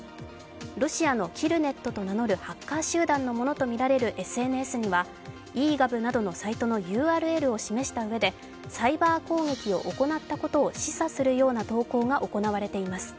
ロシアのキルネットと名乗るハッカー集団のＳＮＳにはｅ−ＧｏｖなどのサイトのＵＲＬを示したうえでサイバー攻撃を行ったことを示唆するような投稿が行われています。